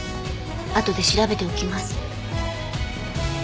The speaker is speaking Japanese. あとで調べておきます。